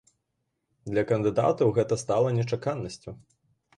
Для кандыдатаў гэта стала нечаканасцю.